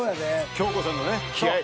京子さんのね気合い。